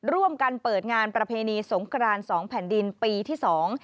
ร่วมกันเปิดงานประเพณีสงครานสองแผ่นดินปีที่สอง